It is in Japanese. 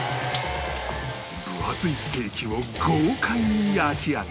分厚いステーキを豪快に焼き上げ